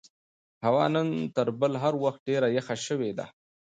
هوا نن تر بل هر وخت ډېره یخه شوې ده.